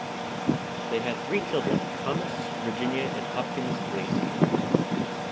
They had three children: Thomas, Virginia, and Hopkins Lacey.